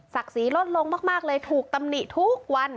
ศรีลดลงมากเลยถูกตำหนิทุกวัน